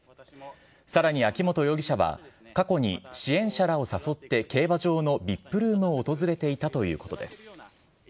さらに秋本容疑者は、過去に支援者らを誘って競馬場のＶＩＰルームを訪れていたということです。